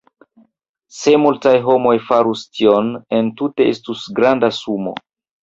Se multaj homoj farus tion, entute estus granda sumo.